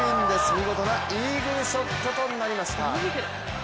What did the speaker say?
見事なイーグルショットとなりました。